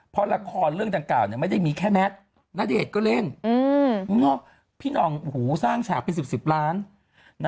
เพราะละครเรื่องดังกล่าวไม่ได้มีแค่แมทณเดชน์ก็เล่นพี่หน่องสร้างฉากเป็น๑๐ล้าน